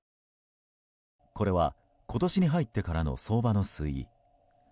これは今年に入ってからの相場の推移。